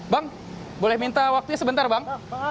bang boleh minta waktunya sebentar bang